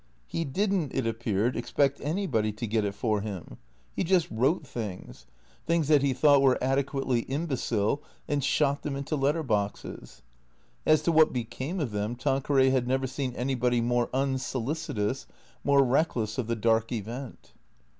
He did n't, it appeared, expect anybody to get it for him. He T H E C R E A T 0 E S 179 just wrote things, things that he thought were adequately im becile, and shot them into letter boxes. As to what became of them, Tanqueray had never seen anybody more unsolicitous, more reckless of the dark event.